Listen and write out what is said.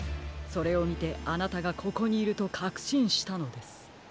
それをみてあなたがここにいるとかくしんしたのです。